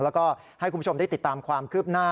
แล้วก็ให้คุณผู้ชมได้ติดตามความคืบหน้า